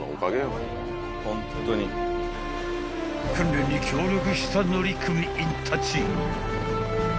［訓練に協力した乗組員たち］